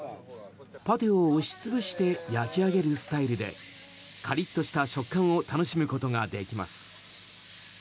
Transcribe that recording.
パテを押し潰して焼き上げるスタイルでカリッとした食感を楽しむことができます。